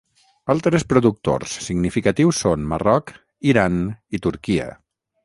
Altres productors significatius són Marroc, Iran i Turquia.